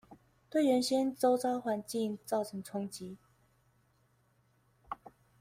對原先週遭環境造成衝擊